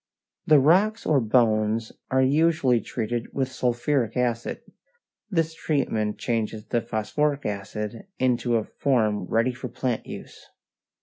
The rocks or bones are usually treated with sulphuric acid. This treatment changes the phosphoric acid into a form ready for plant use.